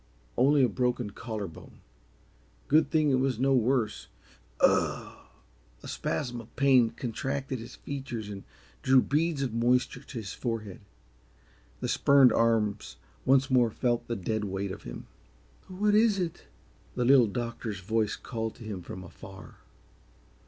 Only a broken collar bone! Good thing it was no worse! Ugh! A spasm of pain contracted his features and drew beads of moisture to his forehead. The spurned arms once more felt the dead weight of him. "What is it?" The Little Doctor's voice called to him from afar.